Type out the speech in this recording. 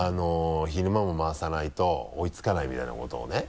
昼間も回さないと追いつかないみたいなことをね